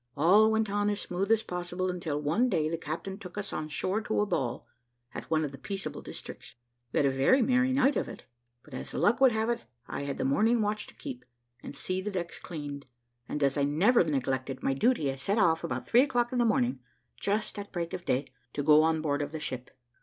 All went on as smooth as possible, until one day, the captain took us on shore to a ball, at one of the peaceable districts. We had a very merry night of it; but as luck would have it, I had the morning watch to keep, and see the decks cleaned, and, as I never neglected my duty, I set off about three o'clock in the morning, just at break of day, to go on board of the ship.